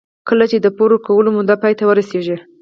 کله چې د پور ورکولو موده پای ته ورسېږي